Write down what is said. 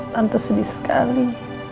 tante sedih sekali